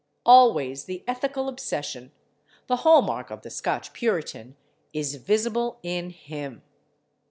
Always the ethical obsession, the hall mark of the Scotch Puritan, is visible in him.